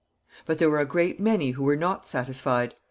But there were a great many who were not satisfied.